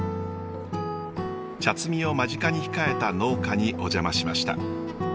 茶摘みを間近に控えた農家にお邪魔しました。